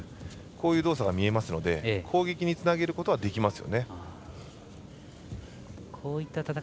こういう動作が見えますので攻撃につなげることはできます。